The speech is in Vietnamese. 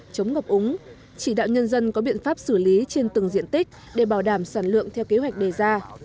chống ngập úng chỉ đạo nhân dân có biện pháp xử lý trên từng diện tích để bảo đảm sản lượng theo kế hoạch đề ra